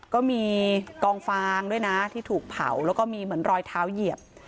ก็มีกองฟางด้วยนะที่ถูกเผาแล้วก็มีเหมือนรอยเท้าเหยียบ